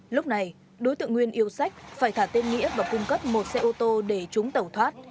lúc này đối tượng nguyên yêu sách phải thả tên nghĩa và cung cấp một xe ô tô để chúng tẩu thoát